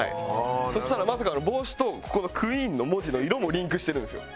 そしたらまさかの帽子とここの「ＱＵＥＥＮ」の文字の色もリンクしてるんですよ。